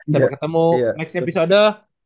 sampai ketemu next episode